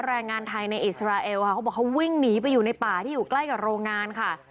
แรงงานไทยในอิสราเอลค่ะเขาบอกเขาวิ่งหนีไปอยู่ในป่าที่อยู่ใกล้กับโรงงานค่ะ